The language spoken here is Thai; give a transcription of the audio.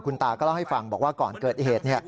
ตาก็เล่าให้ฟังบอกว่าก่อนเกิดเหตุ